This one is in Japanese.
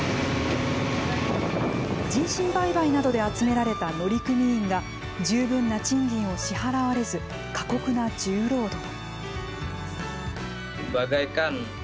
人身売買などで集められた乗組員が十分な賃金を支払われず過酷な重労働。